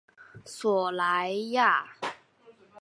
索莱亚。